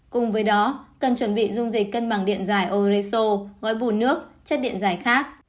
cùng với đó cần chuẩn bị dung dịch cân bằng điện dài oreso gói bùn nước chất điện giải khác